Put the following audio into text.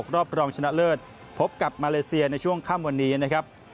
รอบรองชนะเลิศพบกับมาเลเซียในช่วงค่ำวันนี้นะครับ